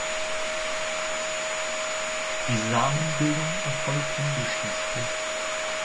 Die Samenbildung erfolgt ungeschlechtlich.